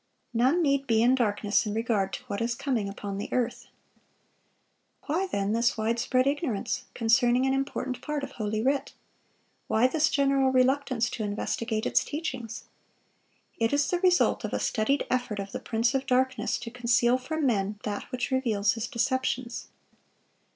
None need be in darkness in regard to what is coming upon the earth. Why, then, this wide spread ignorance concerning an important part of Holy Writ? Why this general reluctance to investigate its teachings? It is the result of a studied effort of the prince of darkness to conceal from men that which reveals his deceptions.